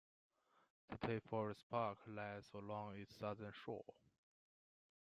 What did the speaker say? The Tay Forest Park lies along its southern shore.